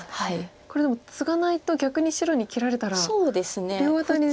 これでもツガないと逆に白に切られたら両アタリですよね。